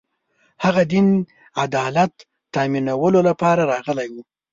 هغه دین عدالت تأمینولو لپاره راغلی و